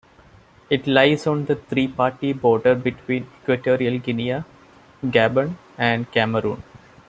It lies on the three-party border between Equatorial Guinea, Gabon and Cameroon.